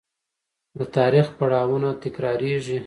د تاریخ پړاوونه تکرارېږي.